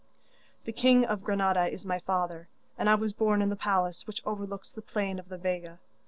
'The king of Granada is my father, and I was born in the palace which overlooks the plain of the Vega.